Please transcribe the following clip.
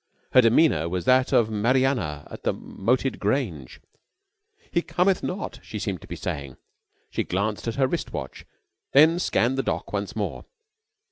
Her demeanour was that of Mariana at the Moated Grange. "He cometh not!" she seemed to be saying. She glanced at her wrist watch, then scanned the dock once more.